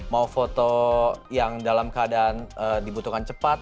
mau foto yang dalam keadaan dibutuhkan cepat